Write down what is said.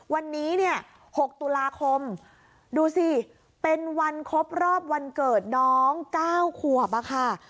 วันนี้เนี่ย๖ตุลาคมดูสิเป็นวันครบรอบวันเกิดน้อง๙ขวบอะค่ะ